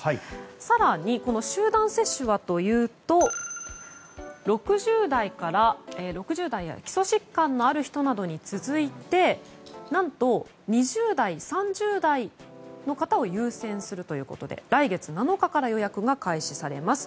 更に、集団接種はというと６０代や基礎疾患のある人に続いて何と２０代、３０代の方を優先するということで来月７日から予約が開始されます。